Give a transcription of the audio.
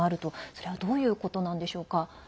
それはどういうことなんでしょうか。